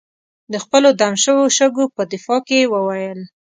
د خپلو دم شوو شګو په دفاع کې یې وویل.